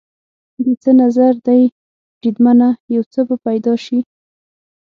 دې څه نظر دی بریدمنه؟ یو څه به پیدا شي.